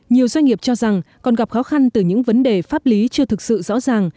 nhiều doanh nghiệp cho rằng còn gặp khó khăn từ những vấn đề pháp lý chưa thực sự rõ ràng